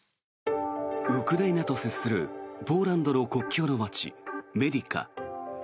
ウクライナと接するポーランドの国境の街メディカ。